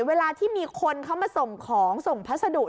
เวลาที่มีคนเขามาส่งของส่งพัสดุ